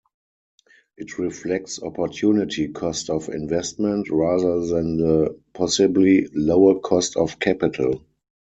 It reflects opportunity cost of investment, rather than the possibly lower cost of capital.